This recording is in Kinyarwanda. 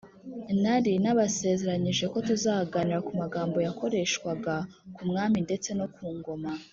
, nari nabasezeranyije ko tuzaganira ku magambo yakoreshwaga ku Mwami ndetse no ku Ngoma